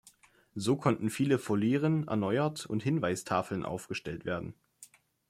So konnten viele Volieren erneuert und Hinweistafeln aufgestellt werden.